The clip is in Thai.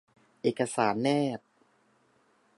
เอกสารแนบ